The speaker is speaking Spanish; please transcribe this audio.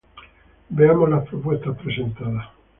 Veamos las propuestas presentadas.